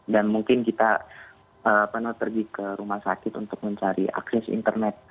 dan mungkin kita pernah pergi ke rumah sakit untuk mencari akses internet